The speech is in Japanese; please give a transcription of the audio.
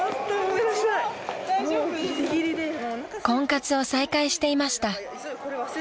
［婚活を再開していました］